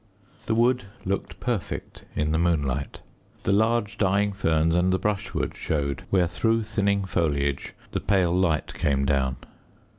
The wood looked perfect in the moonlight. The large dying ferns and the brushwood showed where through thinning foliage the pale light came down.